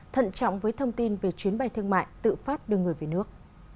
thận trọng với thông tin về chuyến bay thương mại tự phát đưa người về nước